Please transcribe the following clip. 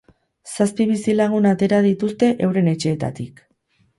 Zazpi bizilagun atera dituzte euren etxeetatik.